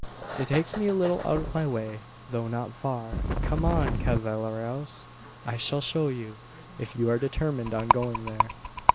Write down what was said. "It takes me a little out of my way though not far. Come on, cavalleros! I shall show you, if you are determined on going there."